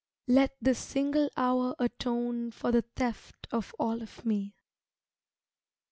Let this single hour atone For the theft of all of me.